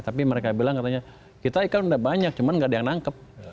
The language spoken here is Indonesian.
tapi mereka bilang katanya kita ikan udah banyak cuman nggak ada yang nangkep